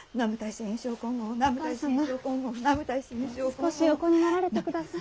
少し横になられてください。